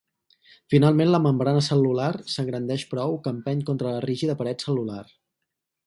Finalment la membrana cel·lular s'engrandeix prou que empeny contra la rígida paret cel·lular.